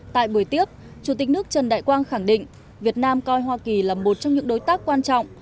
tại buổi tiếp chủ tịch nước trần đại quang khẳng định việt nam coi hoa kỳ là một trong những đối tác quan trọng